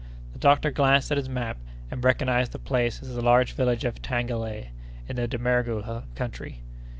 The doctor glanced at his map and recognized the place as the large village of Tagelei, in the Damerghou country.